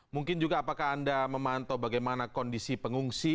mungkin juga apakah anda memantau bagaimana kondisi pengungsi